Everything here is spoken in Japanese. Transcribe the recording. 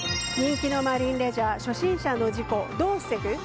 人気のマリンレジャー初心者の事故どう防ぐ？